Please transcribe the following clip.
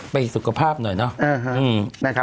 สุขภาพหน่อยเนาะ